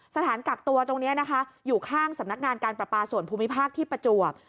สถานกักตัวตรงนี้นะคะอยู่ข้างสำนักงานการประปาส่วนภูมิภาคที่ประจวบ